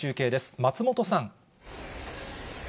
松本さん。